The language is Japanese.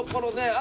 あ！